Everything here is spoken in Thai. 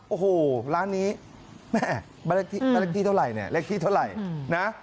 โอ้โหร้านนี้แม่แม่แม่ที่แม่ที่เท่าไรเนี่ยแม่ที่เท่าไรอืมนะฮะ